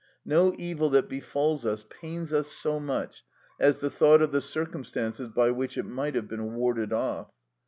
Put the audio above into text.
No evil that befalls us pains us so much as the thought of the circumstances by which it might have been warded off.